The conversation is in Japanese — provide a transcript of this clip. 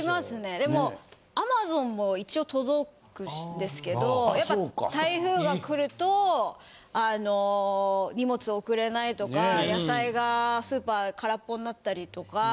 でもＡｍａｚｏｎも一応届くんですけどやっぱ台風が来ると荷物送れないとか野菜がスーパー空っぽになったりとか。